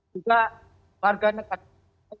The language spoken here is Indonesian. juga warga negatif